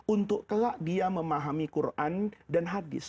untuk kelak dia memahami quran dan hadis